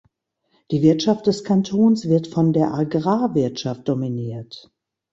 Die Wirtschaft des Kantons wird von der Agrarwirtschaft dominiert.